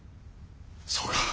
そうか。